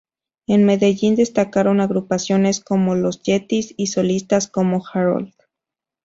En Medellín destacaron agrupaciones como Los Yetis y solistas como Harold.